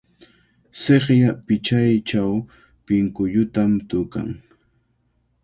Sikya pichaychaw pinkullutami tukan.